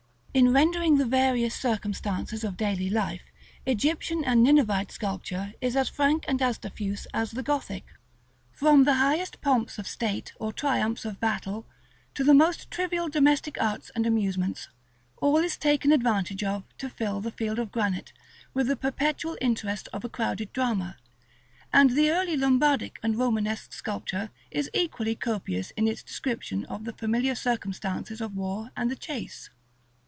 In rendering the various circumstances of daily life, Egyptian and Ninevite sculpture is as frank and as diffuse as the Gothic. From the highest pomps of state or triumphs of battle, to the most trivial domestic arts and amusements, all is taken advantage of to fill the field of granite with the perpetual interest of a crowded drama; and the early Lombardic and Romanesque sculpture is equally copious in its description of the familiar circumstances of war and the chase.